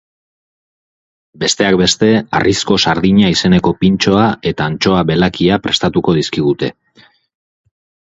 Besteak beste, harrizko sardina izeneko pintxoa eta antxoa belakia prestatuko dizkigute.